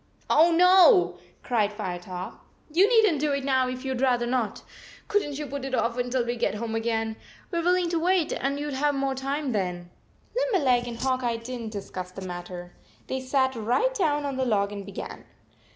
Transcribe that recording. " Oh, no," cried Firetop. " You need n t do it now if you d rather not! Couldn t you put it off until we get home again ? We re willing to wait, and you d have more time then." 54 Limberleg and Hawk Eye did n t discuss the matter. They sat right down on the log and began.